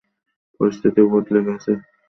পরিস্থিতি বদলে গেছে।